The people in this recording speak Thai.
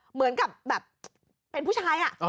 เหมือนกับแบบเป็นผู้ชาย